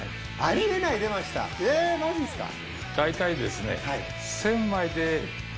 大体ですね。